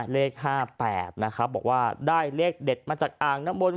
เลข๕๘นะครับบอกว่าได้เลขเด็ดมาจากอ่างน้ำมนต